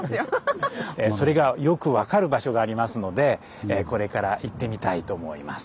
それがよく分かる場所がありますのでこれから行ってみたいと思います。